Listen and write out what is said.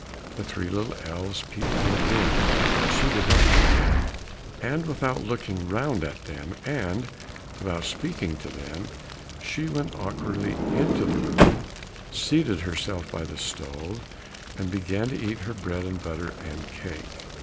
The three little elves peeped out again, but she did not greet them, and without looking round at them and without speaking to them, she went awkwardly into the room, seated herself by the stove, and began to eat her bread and butter and cake.